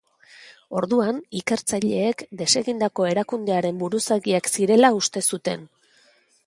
Orduan, ikertzaileek desegindako erakundearen buruzagiak zirela uste zuten.